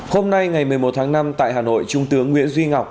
hôm nay ngày một mươi một tháng năm tại hà nội trung tướng nguyễn duy ngọc